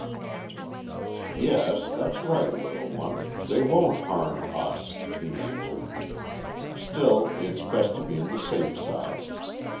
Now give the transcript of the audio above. "Yes. That's right, little one. They won't harm us," he answered. "Still, it's best to be on the safe side.